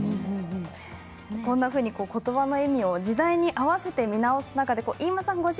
こんなふうにことばの意味を時代に合わせて見直す中で飯間さん